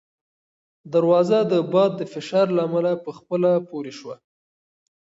دروازه د باد د فشار له امله په خپله پورې شوه.